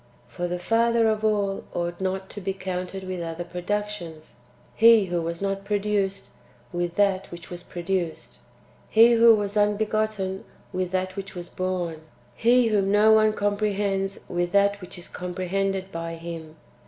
For the Father of all ought not to be counted with other productions ; He who was not produced with that which was produced ; He who was unbegotten with that which was born ; He whom no one comprehends with that Avhich is comprehended by Him, and ^ The text vacillates between "dicenuis"' and "dicamus."